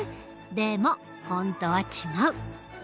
でも本当は違う。